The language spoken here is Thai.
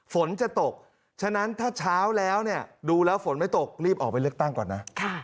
ฝนจะตกฉะนั้นถ้าเช้าแล้วเนี่ยดูแล้วฝนไม่ตกรีบออกไปเลือกตั้งก่อนนะ